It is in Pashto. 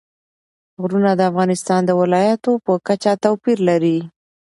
غرونه د افغانستان د ولایاتو په کچه توپیر لري.